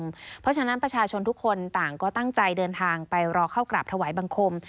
เพราะฉะนั้นประชาชนทุกคนต่างก็ตั้งใจเดินทางไปรอเข้ากราบถวายบังคม